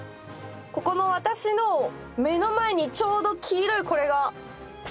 ここの私の目の前にちょうど黄色いこれが。